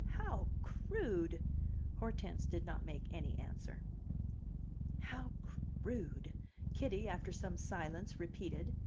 "How crude!" Hortense did not make any answer. "How crude!" Kitty, after some silence, repeated.